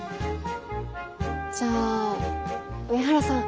じゃあ上原さん